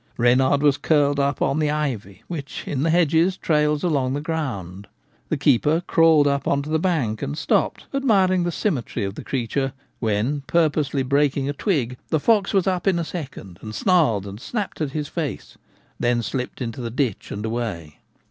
Reynard was curled up on the ivy which in the hedges trails along the ground. The keeper crawled up on the bank and stopped, admiring the symmetry of the creature, when, purposely break 74 The Gamekeeper at Home. ing a twig, the fox was up in a second, and snarled and snapped at his face, then slipped into the ditch and away.